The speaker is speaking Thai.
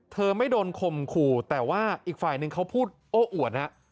ไม่โดนคมขู่แต่ว่าอีกฝ่ายนึงเขาพูดโอ้อวดฮะ